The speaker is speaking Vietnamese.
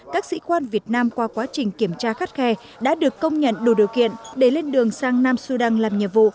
các sĩ quan việt nam qua quá trình kiểm tra khắt khe đã được công nhận đủ điều kiện để lên đường sang nam sudan làm nhiệm vụ